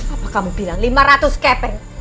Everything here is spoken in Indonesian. apa kamu bilang lima ratus kepen